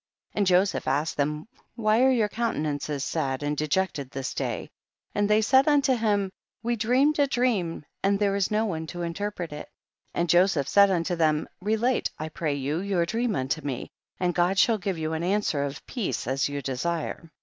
7. And Joseph asked them, why are your countenances sad and de jected this day ? and they said unto him we dreamed a dream, and there is no one to interpret it ; and Joseph said unto them, relate, I pray you, your dream unto me, and God shall give you an answer of peace as you desire.